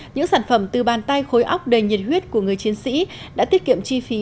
những sản phẩm từ bàn tay khối óc đầy nhiệt huyết của người chiến sĩ đã tiết kiệm chi phí